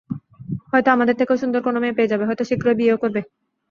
হয়তো আমাদের থেকেও সুন্দর কোন মেয়ে পেয়ে যাবে, হয়তো শ্রীঘই বিয়েও করবে।